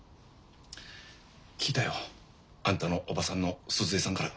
聞いたよあんたのおばさんの鈴江さんから。